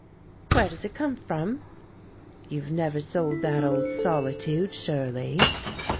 "Where does it come from? You've never sold that old 'Solitude,' surely?"